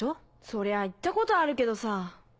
そりゃ言ったことあるけどさ。